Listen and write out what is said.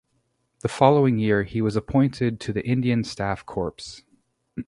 The following year he was appointed to the Indian Staff Corps.